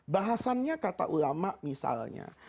bahasannya kata ulama misalnya